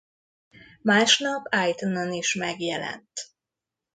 Másnap iTunes-on is megjelent.